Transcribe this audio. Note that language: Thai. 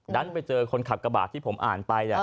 ดันไปเจอคนขับกระบาดที่ผมอ่านไป